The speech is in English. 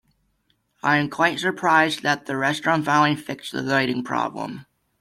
I am quite surprised that the restaurant finally fixed the lighting problem.